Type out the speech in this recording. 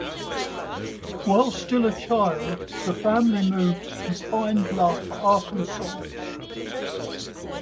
While still a child, the family moved to Pine Bluff, Arkansas.